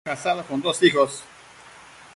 Casado y con dos hijos.